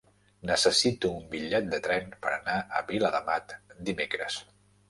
Necessito un bitllet de tren per anar a Viladamat dimecres.